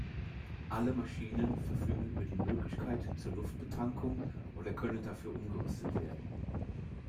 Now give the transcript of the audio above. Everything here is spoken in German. Alle Maschinen verfügen über die Möglichkeit zur Luftbetankung oder können dafür umgerüstet werden.